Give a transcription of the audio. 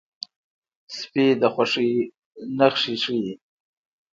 سپي د خوښۍ نښې ښيي.